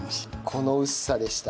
この薄さでした。